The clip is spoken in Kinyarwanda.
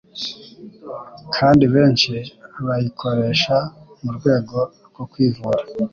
kandi benshi bayikoresha mu rwego rwo kwivura